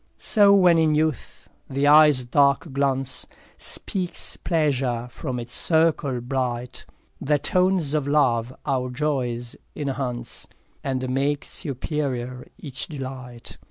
4 So when in youth the eye's dark glance Speaks pleasure from its circle bright, The tones of love our joys enhance, And make superiour each delight.